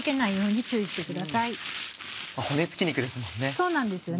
そうなんですよ。